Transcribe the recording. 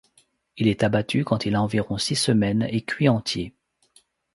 Il est abattu quand il a environ six semaines et cuit entier.